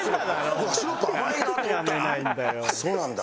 そうなんだ。